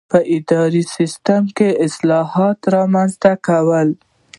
په اداري سیسټم کې اصلاحات رامنځته کول.